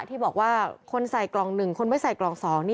ที่บอกว่าคนใส่กล่อง๑คนไม่ใส่กล่อง๒